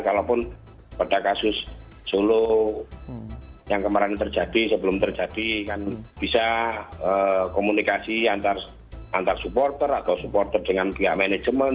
kalaupun pada kasus solo yang kemarin terjadi sebelum terjadi kan bisa komunikasi antar supporter atau supporter dengan pihak manajemen